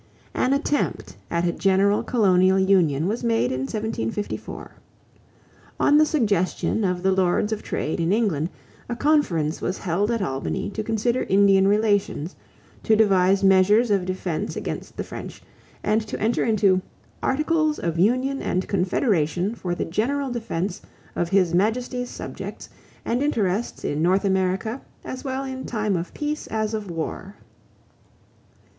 = An attempt at a general colonial union was made in 1754. On the suggestion of the Lords of Trade in England, a conference was held at Albany to consider Indian relations, to devise measures of defense against the French, and to enter into "articles of union and confederation for the general defense of his Majesty's subjects and interests in North America as well in time of peace as of war."